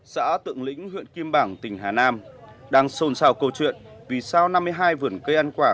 xã tượng lĩnh huyện kim bảng tỉnh hà nam đang xôn xào câu chuyện vì sao năm mươi hai vườn cây ăn quả